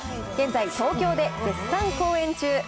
現在、東京で絶賛公演中。